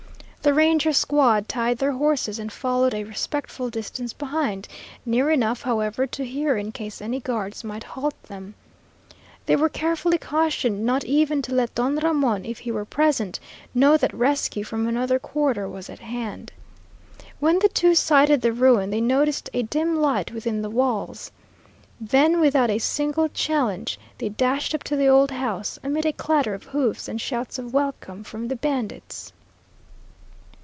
The Ranger squad tied their horses and followed a respectful distance behind, near enough, however, to hear in case any guards might halt them. They were carefully cautioned not even to let Don Ramon, if he were present, know that rescue from another quarter was at hand. When the two sighted the ruin they noticed a dim light within the walls. Then, without a single challenge, they dashed up to the old house, amid a clatter of hoofs, and shouts of welcome from the bandits.